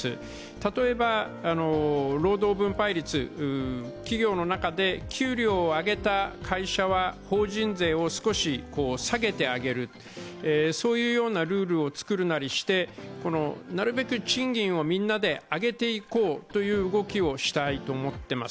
例えば労働分配率、企業の中で給料を上げた会社は法人税を少し下げてあげる、そのようなルールを作るなりしてなるべく賃金をみんなで上げていこうという動きをしたいと思ってます。